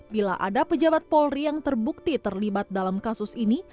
bila ada pejabat polri yang terbukti terlibat dalam kasus ini